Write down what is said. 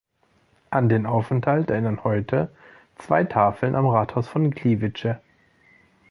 An den Aufenthalt erinnern heute zwei Tafeln am Rathaus von Gliwice.